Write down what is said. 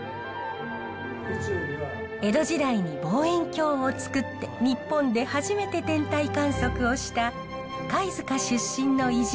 江戸時代に望遠鏡を作って日本で初めて天体観測をした貝塚出身の偉人